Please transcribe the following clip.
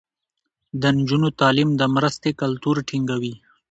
د نجونو تعليم د مرستې کلتور ټينګوي.